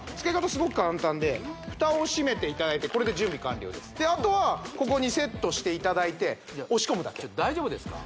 すごく簡単でふたを閉めていただいてこれで準備完了ですであとはここにセットしていただいて押し込むだけ大丈夫ですか？